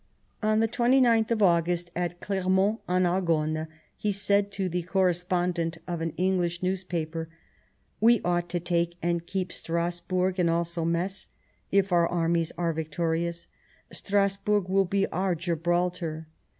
On the 29th of August, at Clermont en Argonne, he said to the Correspondent of an English news paper :" We ought to take and to keep Strasburg, and also Metz, if our arms are victorious. Stras burg will be our Gibraltar.